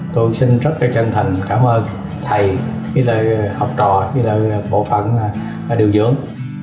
tôi xin rất là chân thành cảm ơn thầy học trò bộ phận điều dưỡng